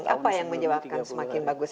apa yang menyebabkan semakin bagus